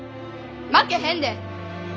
負けへんで！